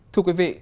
thưa quý vị